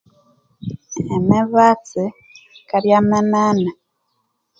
Emibatsi yikabwa minene